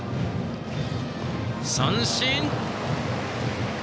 三振！